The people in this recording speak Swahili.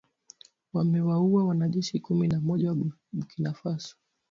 wamewaua wanajeshi kumi na mmoja wa Burkina Faso